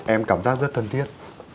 em cảm giác rất thân thiết